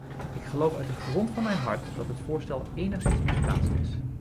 Ik geloof uit de grond van mijn hart dat het voorstel enigszins misplaatst is.